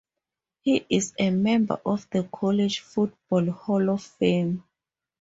He is a member of the College Football Hall of Fame.